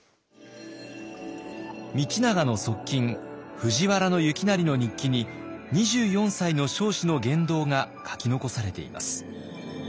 道長の側近藤原行成の日記に２４歳の彰子の言動が書き残されています。